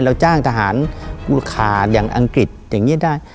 จ้างทหารบูคาอย่างอังกฤษอย่างนี้ได้